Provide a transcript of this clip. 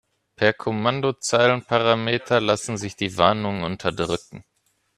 Per Kommandozeilenparameter lassen sich die Warnungen unterdrücken.